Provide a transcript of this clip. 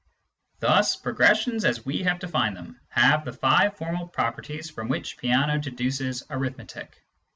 Thus progressions as we have defined them have the five formal properties from which Peano deduces arithmetic.